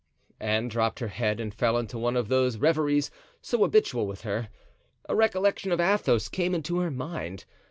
Anne dropped her head and fell into one of those reveries so habitual with her. A recollection of Athos came into her mind.